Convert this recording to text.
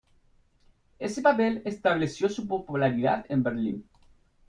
Este papel estableció su popularidad en Berlín.